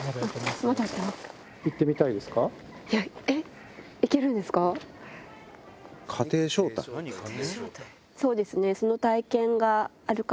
行ってみたいですか？